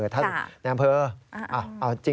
นายอำเภอ